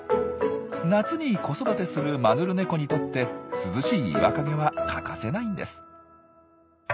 夏に子育てするマヌルネコにとって涼しい岩陰は欠かせないんです。